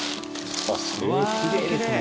へえきれいですね。